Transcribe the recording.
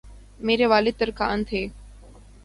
میرے والد ترکھان تھے